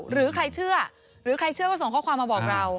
หรือใครเชื่อหรือใครเชื่อก็ส่งข้อความมาบอกเรา